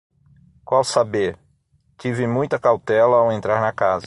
Qual saber! tive muita cautela, ao entrar na casa.